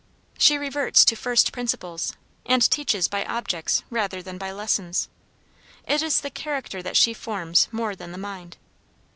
She reverts to first principles, and teaches by objects rather than by lessons. It is the character that she forms more than the mind.